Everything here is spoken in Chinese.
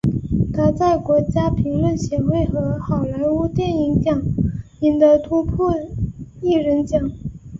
他在国家评论协会和好莱坞电影奖赢得突破艺人奖。